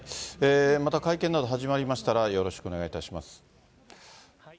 また会見など始まりましたら、よろしくお願いいたします。